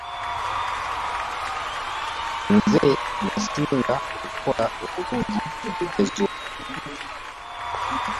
Nze nnasinga okkola obulungi mu bigezo.